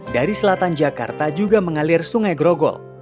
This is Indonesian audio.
dari selatan jakarta juga mengalir sungai grogol